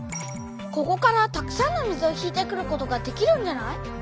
ここからたくさんの水を引いてくることができるんじゃない？